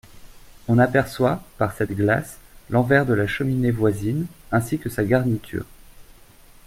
On aperçoit, par cette glace, l'envers de la cheminée voisine ainsi que sa garniture.